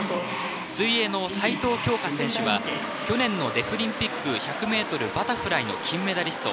水泳の齊藤京香選手は去年のデフリンピック１００ｍバタフライの金メダリスト。